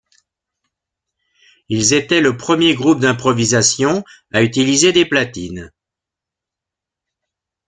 Ils étaient le premier groupe d'improvisation à utiliser des platines.